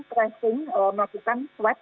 tracing melakukan swipe